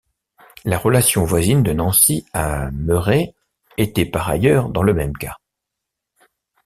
La relation voisine de Nancy à Merrey était par ailleurs dans le même cas.